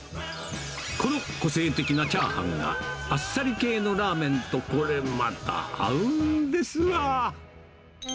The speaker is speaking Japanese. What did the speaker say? この個性的なチャーハンが、あっさり系のラーメンと、これまた合うんですな。